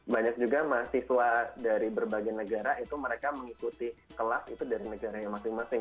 banyak juga mahasiswa dari berbagai negara itu mereka mengikuti kelas itu dari negara yang masing masing